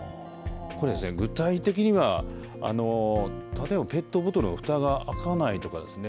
具体的には例えばペットボトルのふたが開かないとかですね。